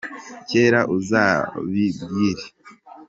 kera uzabibwire